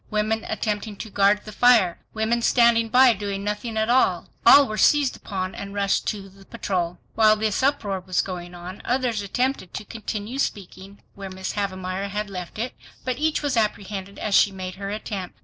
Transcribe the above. Women attempting to guard the fire; women standing by doing nothing at all; all were seized upon and rushed to the patrol. While this uproar was going on, others attempted to continue the speaking where Mrs. Havemeyer had left it, but each was apprehended as she made her attempt.